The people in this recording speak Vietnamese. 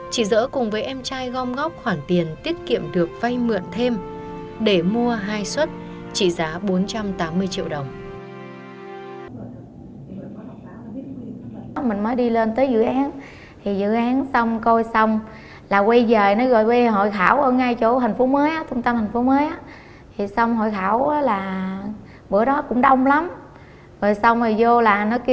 chỉ dỡ cùng với em trai gom ngóc khoản tiền tiết kiệm được vai mặt của công ty thương mại dịch vụ xây dựng và phát triển địa ốc bình dương cityland